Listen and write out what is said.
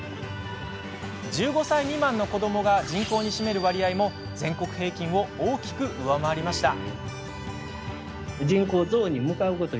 １５歳未満の子どもが人口に占める割合も全国平均を大きく上回りました。